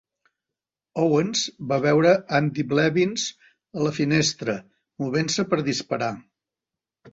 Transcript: Owens va veure Andy Blevins a la finestra movent-se per disparar.